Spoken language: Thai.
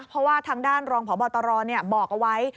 เพราะว่าทางด้านรองพบตรบอกเอาไว้